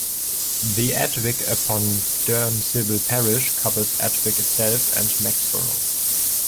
The Adwick upon Dearne civil parish covers Adwick itself and Mexborough.